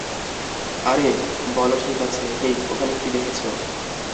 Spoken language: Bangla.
আরে, বল ঠিক আছে, হেই, ওখানে কী দেখেছ?